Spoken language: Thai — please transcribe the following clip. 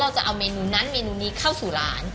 จะเอาเมนูนั้นเมนูนี้เข้าสู่ร้าน